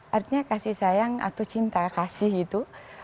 artinya kasih sayang atau cinta kasih gitu